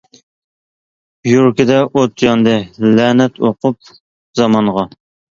يۈرىكىدە ئوت ياندى، لەنەت ئوقۇپ زامانغا.